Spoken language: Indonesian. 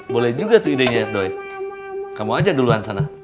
boleh juga tuh idenya doy kamu aja duluan sana